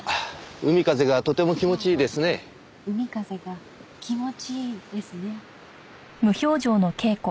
「海風が気持ちいいですね」。